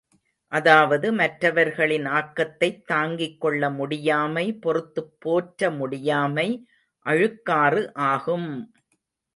அதாவது மற்றவர்களின் ஆக்கத்தைத் தாங்கிக்கொள்ள முடியாமை பொறுத்துப் போற்ற முடியாமை அழுக்காறு ஆகும்!